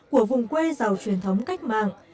của vùng quê giàu truyền thống cách mạng